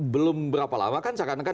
bapak lelo ya